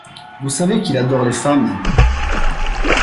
Vous savez qu'il adore les femmes.